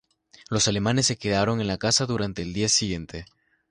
Los alemanes se quedaron en la casa durante el día siguiente.